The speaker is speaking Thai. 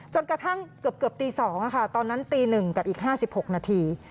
จนกระทั่งเกือบตี๒ตอนนั้นตี๑กับอีก๕๖นาที